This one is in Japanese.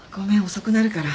遅くなるから。